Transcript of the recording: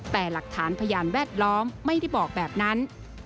แต่หลักฐานพยานแวดล้อมไม่ได้บอกแบบนั้น